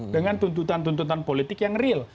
dengan tuntutan tuntutan politik yang real